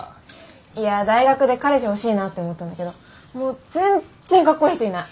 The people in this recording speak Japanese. いや大学で彼氏欲しいなって思ったんだけどもう全然かっこいい人いない。